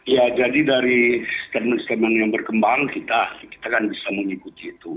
ya jadi dari termen stemen yang berkembang kita kita kan bisa mengikuti itu